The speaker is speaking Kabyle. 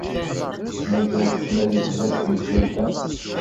Mazal tettnadi fell-as temsulta.